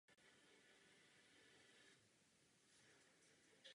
Ta se stala v šestém díle první série Simpsonových.